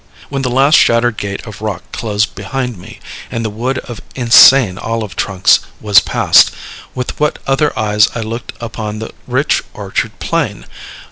When the last shattered gate of rock closed behind me, and the wood of insane olive trunks was passed, with what other eyes I looked upon the rich orchard plain!